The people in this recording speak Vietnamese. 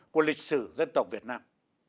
của lịch sử dân tộc việt nam